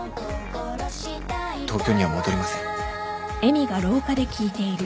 東京には戻りません。